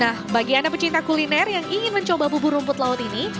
nah bagi anda pecinta kuliner yang ingin mencoba bubur rumput laut ini